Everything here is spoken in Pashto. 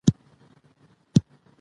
زده کړې نجونې ناستې اغېزمنې کوي.